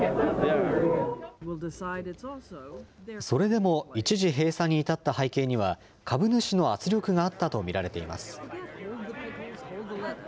それでも一時閉鎖に至った背景には株主の圧力があったと見られています。